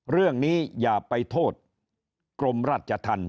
เรื่องนี้อย่าไปโทษกรมราชธรรมิย์